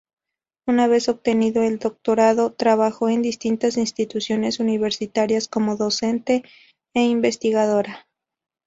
Una vez obtenido el doctorado, trabajó en distintas instituciones universitarias como docente e investigadora.